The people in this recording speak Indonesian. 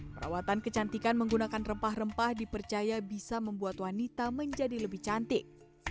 perawatan kecantikan menggunakan rempah rempah dipercaya bisa membuat wanita menjadi lebih cantik